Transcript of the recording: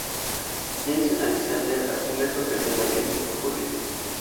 Jason Alexander asumió el papel de David en julio.